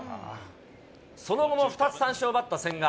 その後も２つ三振を奪った千賀。